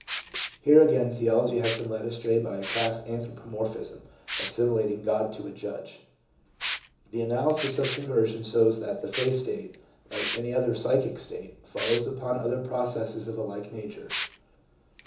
Here again theology has been led astray by a crass anthropomorphism, assimilating God to a Judge. The analysis of conversion shows that the faith state, like any other psychic state, follows upon other processes of a like nature.